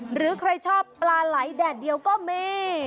หรือใครชอบปลาไหลแดดเดียวก็มี